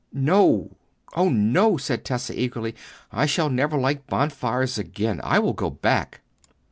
"No, oh no!" said Tessa, eagerly; "I shall never like bonfires again. I will go back."